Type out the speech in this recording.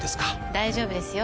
大丈夫ですよ。